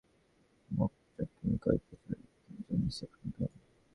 পারিবারিক সূত্রে জানা যায়, মংক্যচিং কয়েক বছর আগে প্রথম জন্ডিসে আক্রান্ত হন।